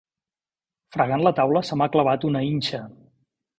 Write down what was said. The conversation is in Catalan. Fregant la taula se m'ha clavat una inxa.